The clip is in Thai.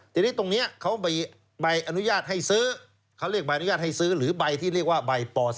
ทีนี้ตรงนี้เขาใบอนุญาตให้ซื้อเขาเรียกใบอนุญาตให้ซื้อหรือใบที่เรียกว่าใบป๔